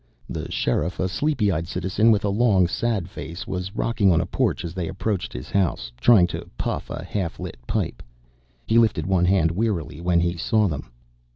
The Sheriff, a sleepy eyed citizen with a long, sad face, was rocking on a porch as they approached his house, trying to puff a half lit pipe. He lifted one hand wearily when he saw them.